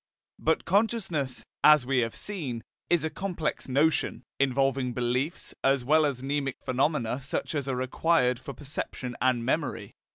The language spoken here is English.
But consciousness, as we have seen, is a complex notion, involving beliefs, as well as mnemic phenomena such as are required for perception and memory.